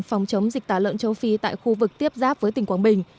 phòng chống dịch tả lợn châu phi tại khu vực tiếp giáp với tỉnh quảng bình